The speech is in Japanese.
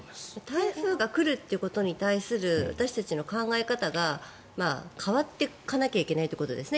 台風が来るということに対する私たちの考え方が変わっていかなきゃいけないってことですね。